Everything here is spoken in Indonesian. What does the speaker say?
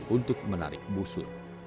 untuk menarik busur